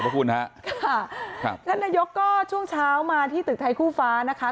ค่ะนายกก็ช่วงเช้ามาที่ตึกไทยคู่ฟ้านะคะ